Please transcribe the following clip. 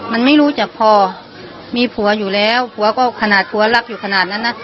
มันไม่รู้จักพอมีผัวอยู่แล้วผัวก็ขนาดผัวรักอยู่ขนาดนั้นนะ